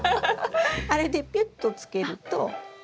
あれでピュッとつけるととれます。